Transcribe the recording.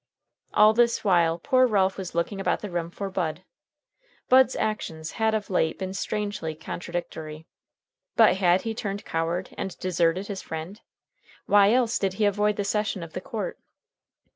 All this while poor Ralph was looking about the room for Bud. Bud's actions had of late been strangely contradictory. But had he turned coward and deserted his friend? Why else did he avoid the session of the court?